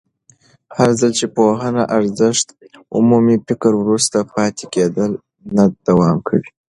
هرځل چې پوهنه ارزښت ومومي، فکري وروسته پاتې کېدل نه دوام کوي.